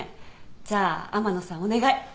じゃあ天野さんお願い。